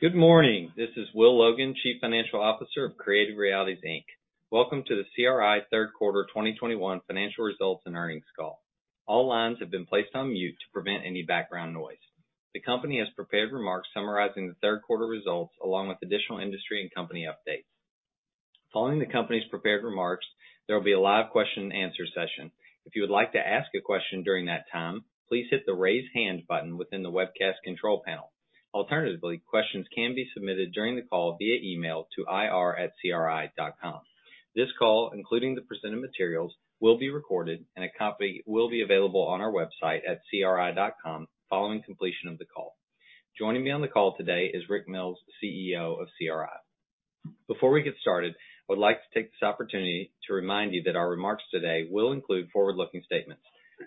Good morning. This is Will Logan, Chief Financial Officer of Creative Realities, Inc. Welcome to the CRI third quarter 2021 financial results and earnings call. All lines have been placed on mute to prevent any background noise. The company has prepared remarks summarizing the third quarter results, along with additional industry and company updates. Following the company's prepared remarks, there will be a live question-and-answer session. If you would like to ask a question during that time, please hit the Raise Hand button within the webcast control panel. Alternatively, questions can be submitted during the call via email to ir@cri.com. This call, including the presented materials, will be recorded, and a copy will be available on our website at cri.com following completion of the call. Joining me on the call today is Rick Mills, CEO of CRI. Before we get started, I would like to take this opportunity to remind you that our remarks today will include forward-looking statements.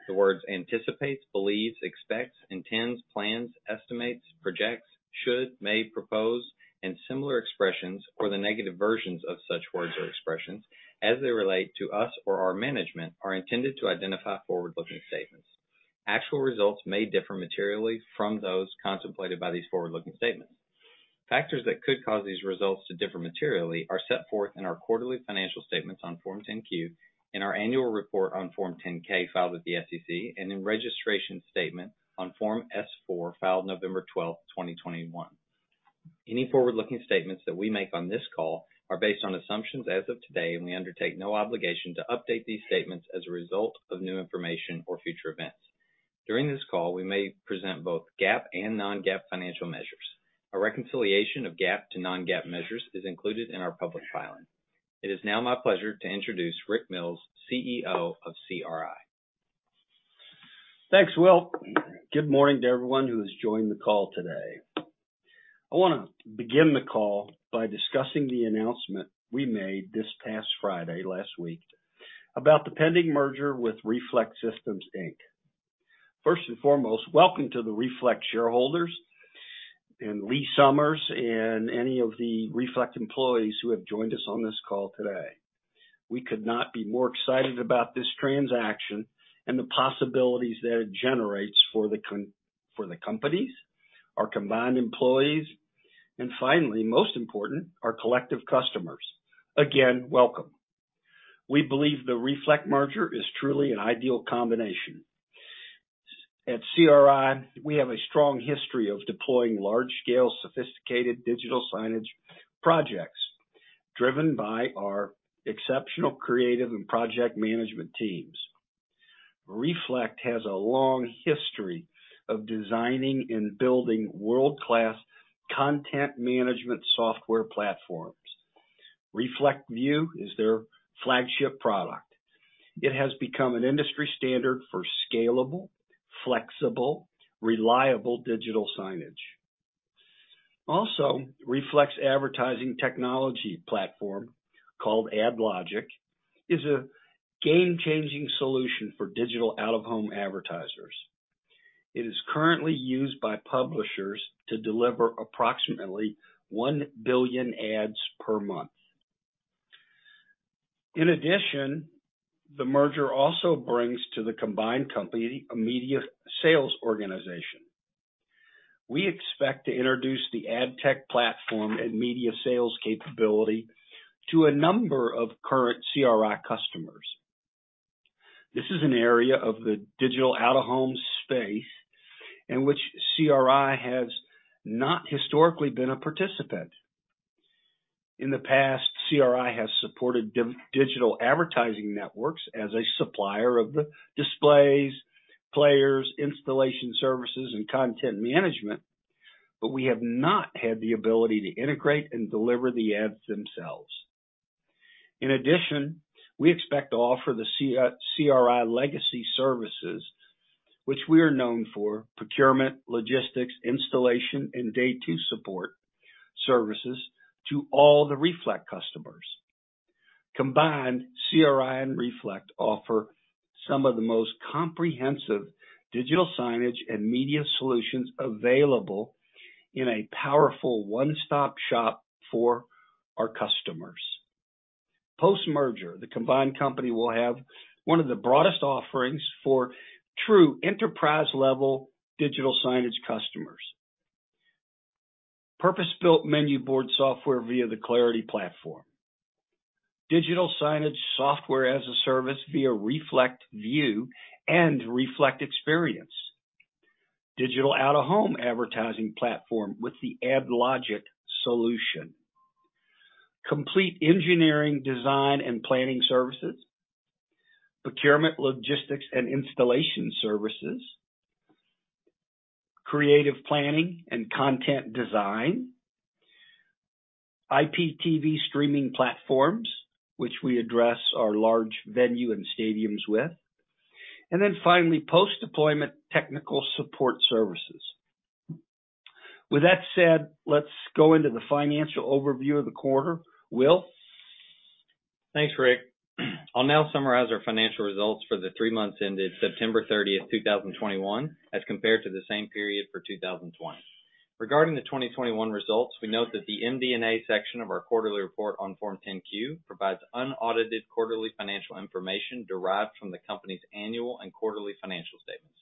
The words anticipates, believes, expects, intends, plans, estimates, projects, should, may, propose, and similar expressions, or the negative versions of such words or expressions as they relate to us or our management, are intended to identify forward-looking statements. Actual results may differ materially from those contemplated by these forward-looking statements. Factors that could cause these results to differ materially are set forth in our quarterly financial statements on Form 10-Q, in our annual report on Form 10-K filed with the SEC, and in registration statement on Form S-4 filed November 12, 2021. Any forward-looking statements that we make on this call are based on assumptions as of today, and we undertake no obligation to update these statements as a result of new information or future events. During this call, we may present both GAAP and non-GAAP financial measures. A reconciliation of GAAP to non-GAAP measures is included in our public filing. It is now my pleasure to introduce Rick Mills, CEO of CRI. Thanks, Will. Good morning to everyone who has joined the call today. I wanna begin the call by discussing the announcement we made this past Friday, last week, about the pending merger with Reflect Systems, Inc. First and foremost, welcome to the Reflect shareholders and Lee Summers and any of the Reflect employees who have joined us on this call today. We could not be more excited about this transaction and the possibilities that it generates for the companies, our combined employees, and, finally, most importantly, our collective customers. Again, welcome. We believe the Reflect merger is truly an ideal combination. At CRI, we have a strong history of deploying large-scale, sophisticated digital signage projects driven by our exceptional creative and project management teams. Reflect has a long history of designing and building world-class content management software platforms. ReflectView is their flagship product. It has become an industry standard for scalable, flexible, reliable digital signage. Also, Reflect's advertising technology platform, called AdLogic, is a game-changing solution for digital out-of-home advertisers. It is currently used by publishers to deliver approximately 1 billion ads per month. In addition, the merger also brings to the combined company a media sales organization. We expect to introduce the ad tech platform and media sales capability to a number of current CRI customers. This is an area of the digital out-of-home space in which CRI has not historically been a participant. In the past, CRI has supported digital advertising networks as a supplier of the displays, players, installation services, and content management, but we have not had the ability to integrate and deliver the ads themselves. In addition, we expect to offer the CRI legacy services, which we are known for, procurement, logistics, installation, and day two support services to all the Reflect customers. Combined, CRI and Reflect offer some of the most comprehensive digital signage and media solutions available in a powerful one-stop shop for our customers. Post-merger, the combined company will have one of the broadest offerings for true enterprise-level digital signage customers. Purpose-built menu board software via the Clarity platform. Digital signage software as a service via ReflectView and Reflect eXperience. Digital out-of-home advertising platform with the AdLogic solution. Complete engineering, design, and planning services. Procurement, logistics, and installation services. Creative planning and content design. IPTV streaming platforms, which we address our large venues and stadiums with. Finally, post-deployment technical support services. With that said, let's go into the financial overview of the quarter. Will? Thanks, Rick. I'll now summarize our financial results for the three months ended September 30, 2021, as compared to the same period for 2020. Regarding the 2021 results, we note that the MD&A section of our quarterly report on Form 10-Q provides unaudited quarterly financial information derived from the company's annual and quarterly financial statements.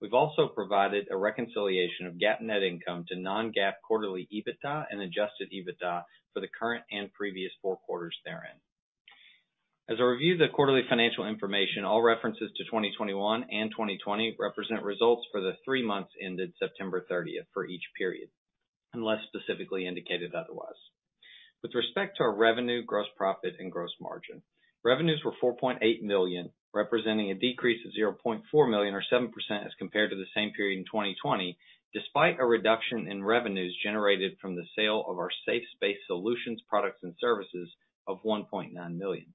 We've also provided a reconciliation of GAAP net income to non-GAAP quarterly EBITDA and Adjusted EBITDA for the current and previous four quarters therein. As I review the quarterly financial information, all references to 2021 and 2020 represent results for the three months ended September 30 for each period, unless specifically indicated otherwise. With respect to our revenue, gross profit, and gross margin, revenues were $4.8 million, representing a decrease of $0.4 million or 7% as compared to the same period in 2020, despite a reduction in revenues generated from the sale of our Safe Space Solutions products and services of $1.9 million.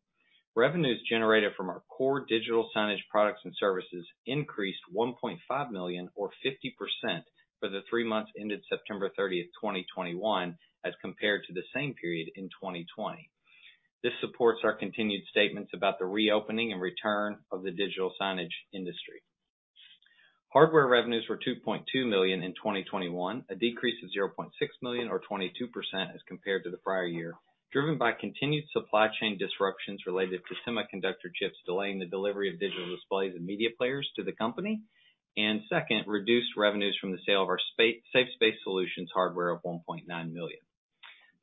Revenues generated from our core digital signage products and services increased $1.5 million or 50% for the three months ended September 30, 2021, as compared to the same period in 2020. This supports our continued statements about the reopening and return of the digital signage industry. Hardware revenues were $2.2 million in 2021, a decrease of $0.6 million or 22% as compared to the prior year, driven by continued supply chain disruptions related to semiconductor chips delaying the delivery of digital displays and media players to the company. Second, reduced revenues from the sale of our Safe Space Solutions hardware of $1.9 million.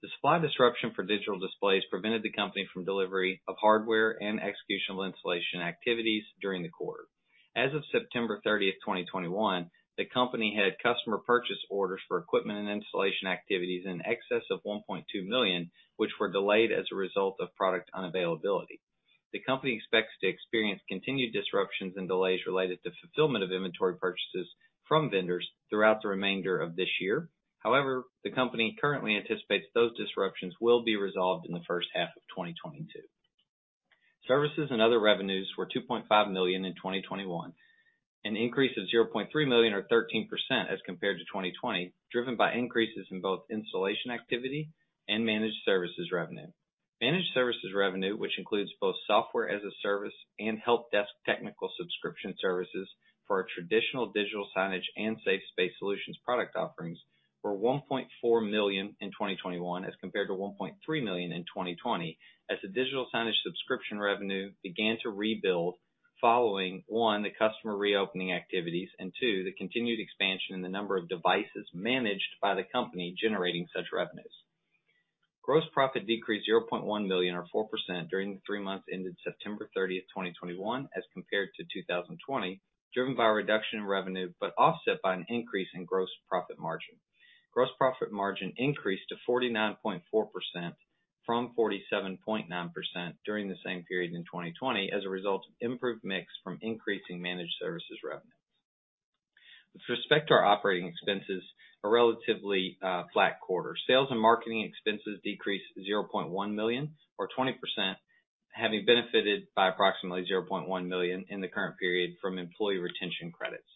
The supply disruption for digital displays prevented the company from delivery of hardware and execution and installation activities during the quarter. As of September 30, 2021, the company had customer purchase orders for equipment and installation activities in excess of $1.2 million, which were delayed as a result of product unavailability. The company expects to experience continued disruptions and delays related to fulfillment of inventory purchases from vendors throughout the remainder of this year. However, the company currently anticipates those disruptions will be resolved in the first half of 2022. Services and other revenues were $2.5 million in 2021, an increase of $0.3 million or 13% as compared to 2020, driven by increases in both installation activity and managed services revenue. Managed services revenue, which includes both software as a service and help desk technical subscription services for our traditional digital signage and Safe Space Solutions product offerings, were $1.4 million in 2021 as compared to $1.3 million in 2020 as the digital signage subscription revenue began to rebuild following, one, the customer reopening activities, and two, the continued expansion in the number of devices managed by the company generating such revenues. Gross profit decreased $0.1 million or 4% during the three months ended September 30, 2021, as compared to 2020, driven by a reduction in revenue, but offset by an increase in gross profit margin. Gross profit margin increased to 49.4% from 47.9% during the same period in 2020 as a result of improved mix from increasing managed services revenue. With respect to our operating expenses, it was a relatively flat quarter. Sales and marketing expenses decreased $0.1 million or 20%, having benefited by approximately $0.1 million in the current period from employee retention credits.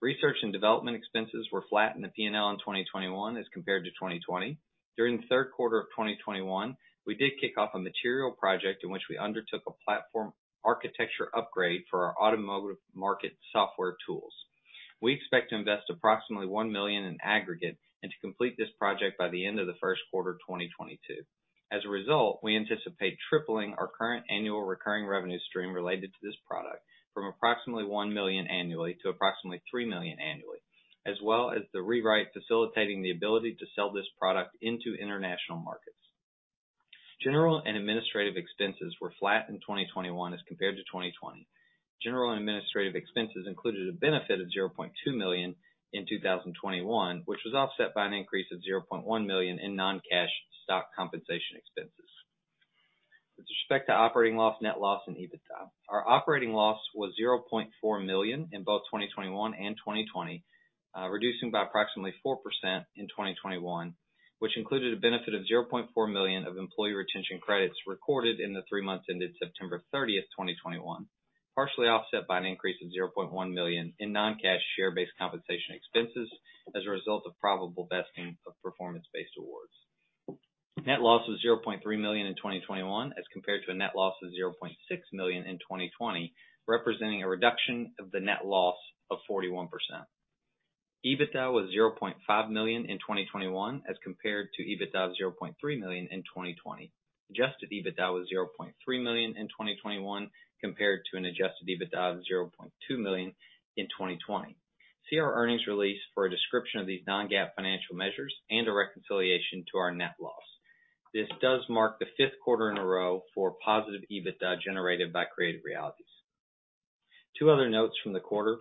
Research and development expenses were flat in the P&L in 2021 as compared to 2020. During the third quarter of 2021, we did kick off a material project in which we undertook a platform architecture upgrade for our automotive market software tools. We expect to invest approximately $1 million in aggregate and to complete this project by the end of the first quarter, 2022. As a result, we anticipate tripling our current annual recurring revenue stream related to this product from approximately $1 million annually to approximately $3 million annually, as well as the rewrite facilitating the ability to sell this product into international markets. General and administrative expenses were flat in 2021 as compared to 2020. General and administrative expenses included a benefit of $0.2 million in 2021, which was offset by an increase of $0.1 million in non-cash stock compensation expenses. With respect to operating loss, net loss and EBITDA, our operating loss was $0.4 million in both 2021 and 2020, reducing by approximately 4% in 2021, which included a benefit of $0.4 million of employee retention credits recorded in the three months ended September 30, 2021, partially offset by an increase of $0.1 million in non-cash share-based compensation expenses as a result of probable vesting of performance-based awards. Net loss was $0.3 million in 2021 as compared to a net loss of $0.6 million in 2020, representing a reduction of the net loss of 41%. EBITDA was $0.5 million in 2021 as compared to EBITDA of $0.3 million in 2020. Adjusted EBITDA was $0.3 million in 2021 compared to an Adjusted EBITDA of $0.2 million in 2020. See our earnings release for a description of these non-GAAP financial measures and a reconciliation to our net loss. This does mark the fifth quarter in a row for positive EBITDA generated by Creative Realities. Two other notes from the quarter.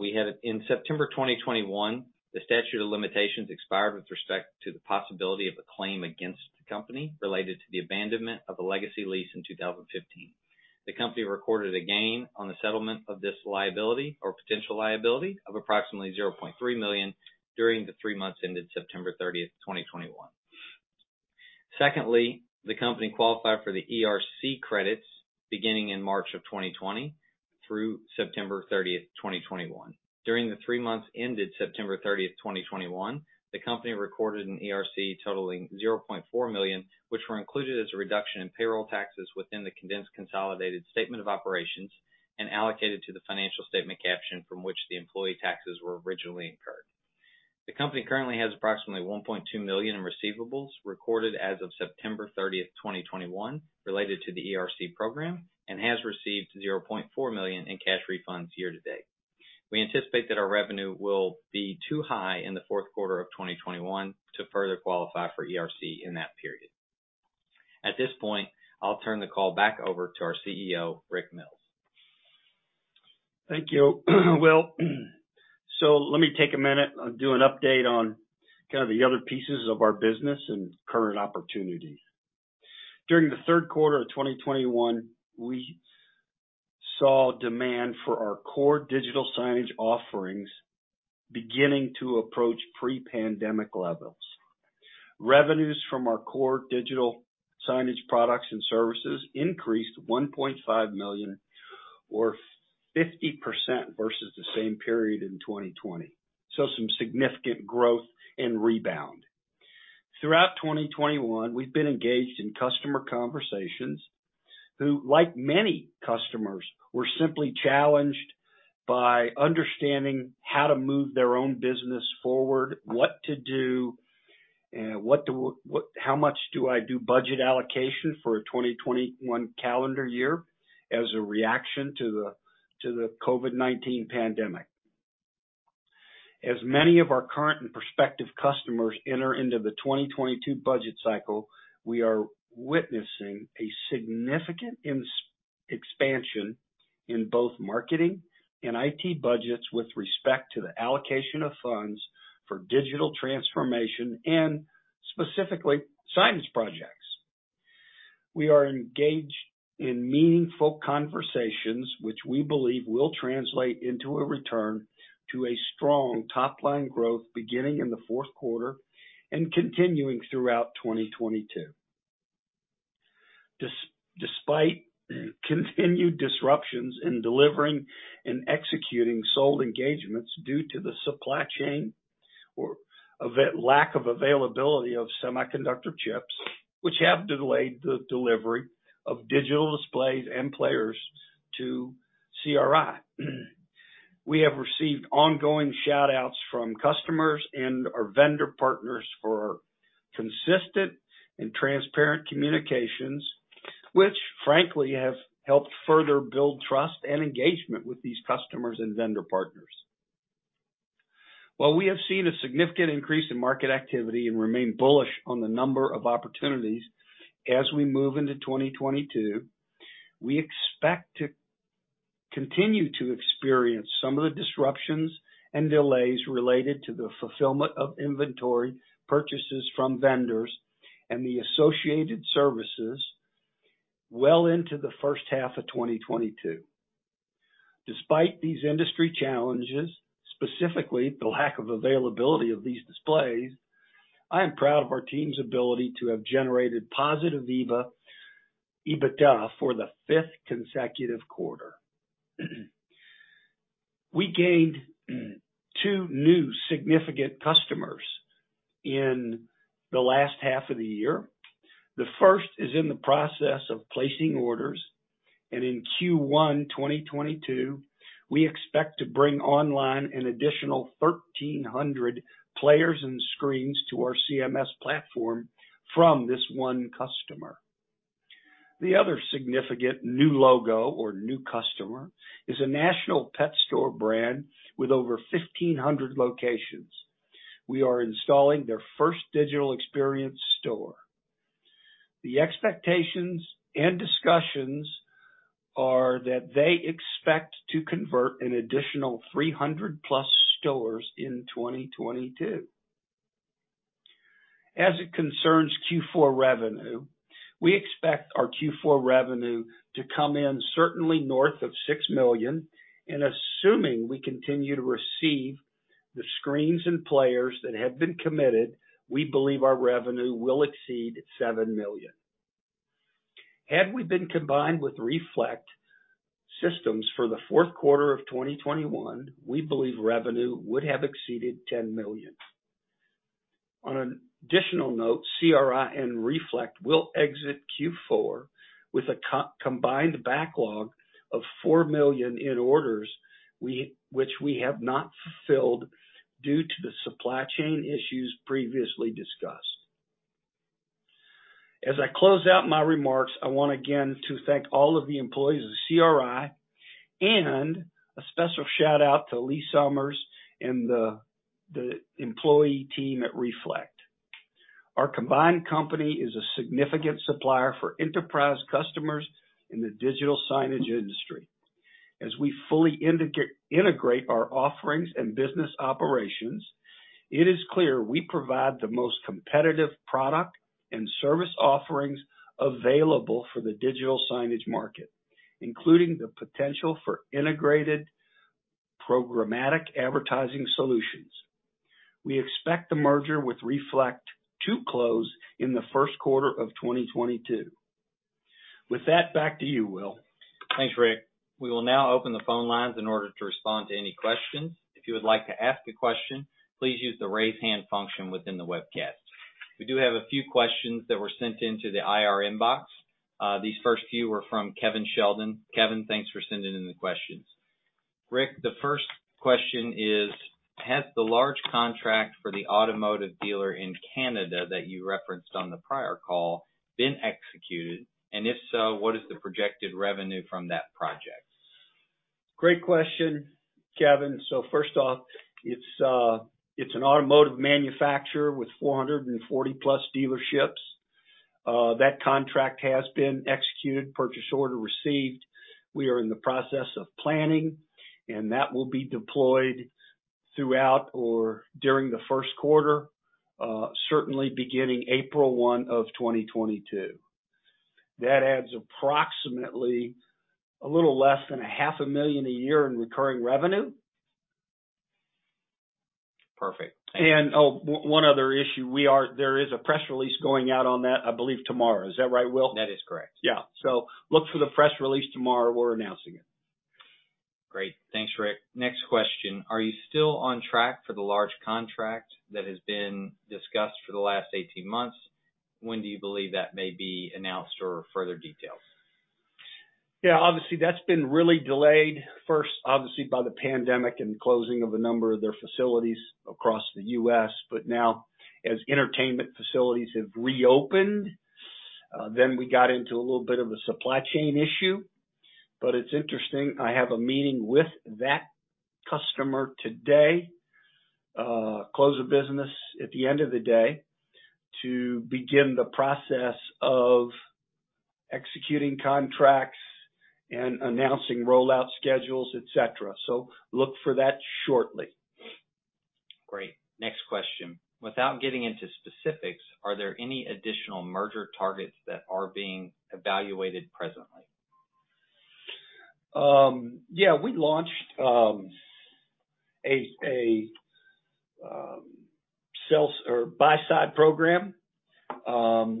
We had in September 2021, the statute of limitations expired with respect to the possibility of a claim against the company related to the abandonment of a legacy lease in 2015. The company recorded a gain on the settlement of this liability or potential liability of approximately $0.3 million during the three months ended September 30, 2021. Secondly, the company qualified for the ERC credits beginning in March 2020 through September 30, 2021. During the three months ended September 30, 2021, the company recorded an ERC totaling $0.4 million, which was included as a reduction in payroll taxes within the condensed consolidated statement of operations and allocated to the financial statement caption from which the employee taxes were originally incurred. The company currently has approximately $1.2 million in receivables recorded as of September 30, 2021, related to the ERC program, and has received $0.4 million in cash refunds year to date. We anticipate that our revenue will be too high in the fourth quarter of 2021 to further qualify for ERC in that period. At this point, I'll turn the call back over to our CEO, Rick Mills. Thank you, Will. Let me take a minute and do an update on kind of the other pieces of our business and current opportunities. During the third quarter of 2021, we saw demand for our core digital signage offerings beginning to approach pre-pandemic levels. Revenues from our core digital signage products and services increased $1.5 million or 50% versus the same period in 2020. Some significant growth and rebound. Throughout 2021, we've been engaged in conversations with customers who, like many customers, were simply challenged by understanding how to move their own business forward, what to do, how much do I do budget allocation for a 2021 calendar year as a reaction to the COVID-19 pandemic. As many of our current and prospective customers enter into the 2022 budget cycle, we are witnessing a significant expansion in both marketing and IT budgets with respect to the allocation of funds for digital transformation and specifically signage projects. We are engaged in meaningful conversations, which we believe will translate into a return to a strong top-line growth beginning in the fourth quarter and continuing throughout 2022. Despite continued disruptions in delivering and executing sold engagements due to the supply chain's lack of availability of semiconductor chips, which have delayed the delivery of digital displays and players to CRI. We have received ongoing shout-outs from customers and our vendor partners for consistent and transparent communications, which frankly have helped further build trust and engagement with these customers and vendor partners. While we have seen a significant increase in market activity and remain bullish on the number of opportunities as we move into 2022, we expect to continue to experience some of the disruptions and delays related to the fulfillment of inventory purchases from vendors and the associated services well into the first half of 2022. Despite these industry challenges, specifically the lack of availability of these displays, I am proud of our team's ability to have generated positive EBITDA for the fifth consecutive quarter. We gained two new significant customers in the last half of the year. The first is in the process of placing orders. In Q1 2022, we expect to bring online an additional 1,300 players and screens to our CMS platform from this one customer. The other significant new logo or new customer is a national pet store brand with over 1,500 locations. We are installing their first digital experience store. The expectations and discussions are that they expect to convert an additional 300+ stores in 2022. As it concerns Q4 revenue, we expect our Q4 revenue to come in certainly north of $6 million, and assuming we continue to receive the screens and players that have been committed, we believe our revenue will exceed $7 million. Had we been combined with Reflect Systems for the fourth quarter of 2021, we believe revenue would have exceeded $10 million. On an additional note, CRI and Reflect will exit Q4 with a combined backlog of $4 million in orders which, we have not fulfilled due to the supply chain issues previously discussed. As I close out my remarks, I want again to thank all of the employees of CRI, and a special shout-out to Lee Summers and the employee team at Reflect. Our combined company is a significant supplier for enterprise customers in the digital signage industry. As we fully integrate our offerings and business operations, it is clear we provide the most competitive product and service offerings available for the digital signage market, including the potential for integrated programmatic advertising solutions. We expect the merger with Reflect to close in the first quarter of 2022. With that, back to you, Will. Thanks, Rick. We will now open the phone lines in order to respond to any questions. If you would like to ask a question, please use the raise hand function within the webcast. We do have a few questions that were sent into the IR inbox. These first few are from Kevin Sheldon. Kevin, thanks for sending in the questions. Rick, the first question is, has the large contract for the automotive dealer in Canada that you referenced on the prior call been executed? And if so, what is the projected revenue from that project? Great question, Kevin. First off, it's an automotive manufacturer with 400+ dealerships. That contract has been executed, purchase order received. We are in the process of planning, and that will be deployed throughout or during the first quarter, certainly beginning April 1, 2022. That adds approximately a little less than a half a million a year in recurring revenue. Perfect. Oh, one other issue. There is a press release going out on that, I believe, tomorrow. Is that right, Will? That is correct. Yeah. Look for the press release tomorrow. We're announcing it. Great. Thanks, Rick. Next question. Are you still on track for the large contract that has been discussed for the last 18 months? When do you believe that may be announced or further details? Yeah, obviously, that's been really delayed, first obviously by the pandemic and closing of a number of their facilities across the US, but now as entertainment facilities have reopened, then we got into a little bit of a supply chain issue. It's interesting, I have a meeting with that customer today, close of business at the end of the day, to begin the process of executing contracts and announcing rollout schedules, et cetera. Look for that shortly. Great. Next question. Without getting into specifics, are there any additional merger targets that are being evaluated presently? Yeah. We launched a sell or buy side program.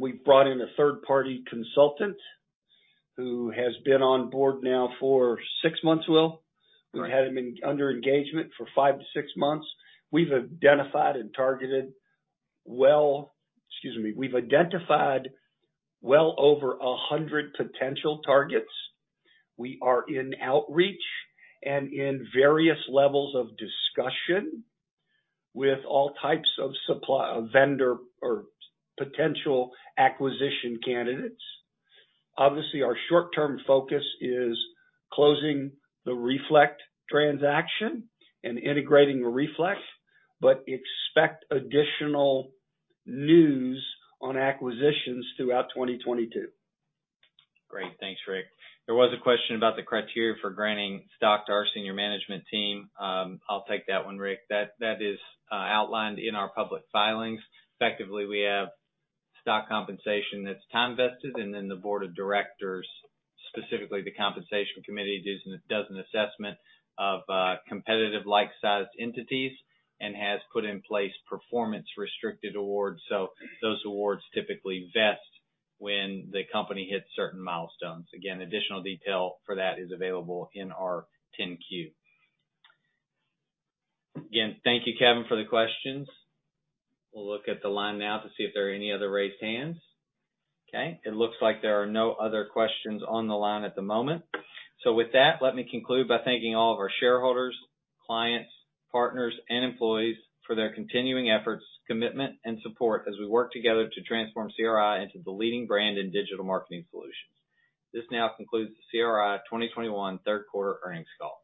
We've brought in a third-party consultant who has been on board now for six months, Will? Right. We've had him under engagement for five-six months. We've identified well over 100 potential targets. We are in outreach and in various levels of discussion with all types of supply, vendor, or potential acquisition candidates. Obviously, our short-term focus is closing the Reflect transaction and integrating Reflect, but expect additional news on acquisitions throughout 2022. Great. Thanks, Rick. There was a question about the criteria for granting stock to our senior management team. I'll take that one, Rick. That is outlined in our public filings. Effectively, we have stock compensation that's time vested, and then the board of directors, specifically the compensation committee, does an assessment of competitive like-sized entities and has put in place performance restricted awards. Those awards typically vest when the company hits certain milestones. Additional details for that is available in our Form 10-Q. Thank you, Kevin, for the questions. We'll look at the line now to see if there are any other raised hands. Okay. It looks like there are no other questions on the line at the moment. With that, let me conclude by thanking all of our shareholders, clients, partners, and employees for their continuing efforts, commitment and support as we work together to transform CRI into the leading brand in digital marketing solutions. This now concludes the CRI 2021 third quarter earnings call.